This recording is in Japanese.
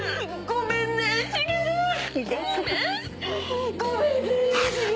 ごめんね茂！